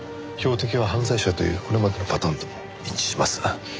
標的は犯罪者というこれまでのパターンとも一致します。